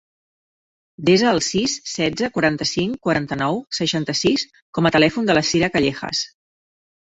Desa el sis, setze, quaranta-cinc, quaranta-nou, seixanta-sis com a telèfon de la Sira Callejas.